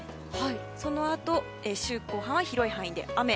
そのあと週後半は広い範囲で雨。